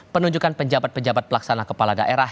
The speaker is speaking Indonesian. penunjukkan penjabat penjabat pelaksana kepala daerah